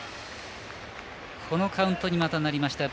このカウントにまたなりました。